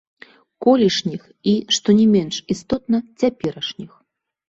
Колішніх і, што не менш істотна, цяперашніх.